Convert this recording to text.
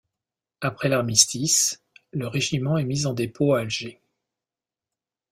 Après l'armistice, le régiment est mis en dépôt à Alger.